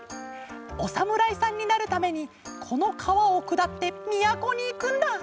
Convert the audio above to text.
おさむらいさんになるためにこのかわをくだってみやこにいくんだ。